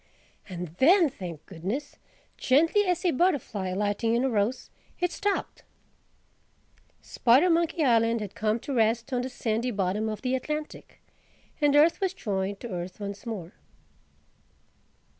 And then, thank goodness, gently as a butterfly alighting on a rose, it stopped! Spidermonkey Island had come to rest on the sandy bottom of the Atlantic, and earth was joined to earth once more.